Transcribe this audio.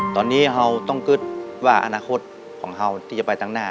ตอนนี้ข้าต้องคิดว่าคอนโรคของข้าที่จะไปต่างหน้า